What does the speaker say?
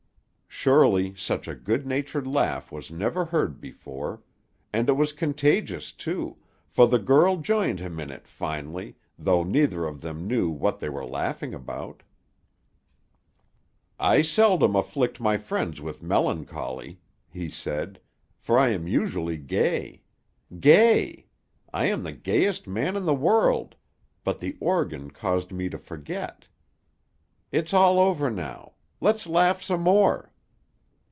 Surely such a good natured laugh was never heard before; and it was contagious, too, for the girl joined him in it, finally, though neither of them knew what they were laughing about. "I seldom afflict my friends with melancholy," he said, "for I am usually gay. Gay! I am the gayest man in the world; but the organ caused me to forget. It's all over now; let's laugh some more."